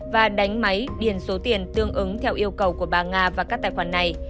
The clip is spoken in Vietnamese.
và đánh máy điền số tiền tương ứng theo yêu cầu của bà nga và các tài khoản này